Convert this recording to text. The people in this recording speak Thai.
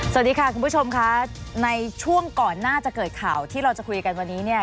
สวัสดีค่ะคุณผู้ชมค่ะในช่วงก่อนหน้าจะเกิดข่าวที่เราจะคุยกันวันนี้เนี่ย